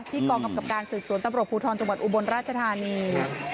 กองกำกับการสืบสวนตำรวจภูทรจังหวัดอุบลราชธานี